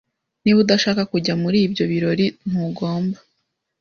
Niba udashaka kujya muri ibyo birori, ntugomba.